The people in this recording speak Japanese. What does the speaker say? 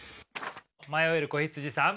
迷える子羊さん。